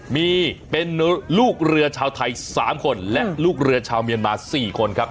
มีเป็นลูกเรือชาวไทย๓คนและลูกเรือชาวเมียนมา๔คนครับ